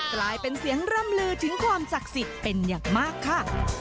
กลายเป็นเสียงร่ำลือถึงความศักดิ์สิทธิ์เป็นอย่างมากค่ะ